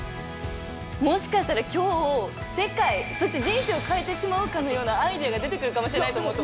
もしかしたら今日世界そして人生を変えてしまうかのようなアイデアが出てくるかもしれないと思うと。